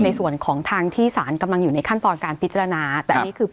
ในส่วนของทางที่สารกำลังอยู่ในขั้นตอนการพิจารณาแต่อันนี้คือ